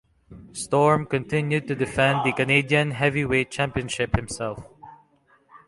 Storm continued to defend the Canadian Heavyweight Championship himself.